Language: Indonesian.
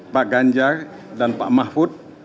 pak ganjar dan pak mahfud